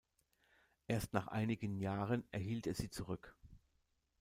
Erst nach einigen Jahren erhielt er sie zurück.